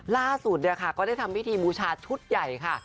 ล่าสุดเนี่ยค่ะก็ได้ทำพิธีบูชาชุดใหญ่ค่ะ